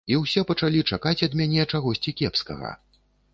І ўсе пачалі чакаць ад мяне чагосьці кепскага.